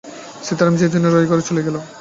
সীতারাম সেই দিনই রায়গড়ে চলিয়া গেল।